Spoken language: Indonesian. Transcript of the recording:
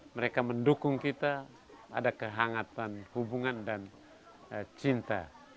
mereka mendukung kita ada kehangatan hubungan dan cinta